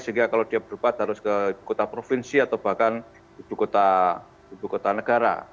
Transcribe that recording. sehingga kalau dia berubah harus ke kota provinsi atau bahkan ibu kota negara